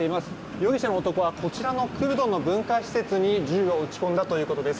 容疑者の男はこちらのクルドの文化施設に銃を撃ち込んだということです。